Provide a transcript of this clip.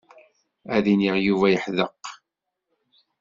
Ad d-iniɣ Yuba yeḥdeq.